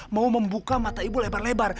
mau membuka mata ibu lebar lebar